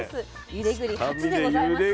ゆでぐり初でございます今年。